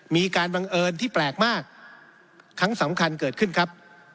มีการบังเอิญที่แปลกมากครั้งสำคัญเกิดขึ้นครับ